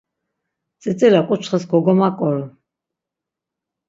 Tzitzila ǩuçxes kogomaǩoru.